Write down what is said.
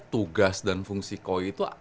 tugas dan fungsi koi itu